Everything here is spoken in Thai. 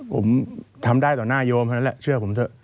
ผมทำได้ต่อหน้าโยมเท่านั้นแหละเชื่อผมเถอะ